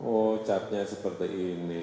oh catnya seperti ini